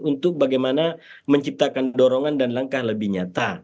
untuk bagaimana menciptakan dorongan dan langkah lebih nyata